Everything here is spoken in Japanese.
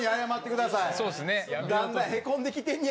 だんだんへこんできてんねやから。